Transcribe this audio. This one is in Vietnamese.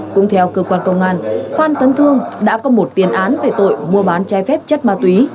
cũng theo cơ quan công an phan tấn thương đã có một tiền án về tội mua bán trái phép chất ma túy